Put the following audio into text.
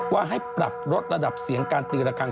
ว่าให้ปรับลดระดับเสียงการตีระคัง